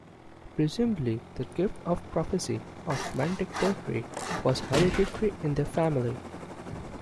Presumably the gift of prophecy, of mantic poetry, was hereditary in their family.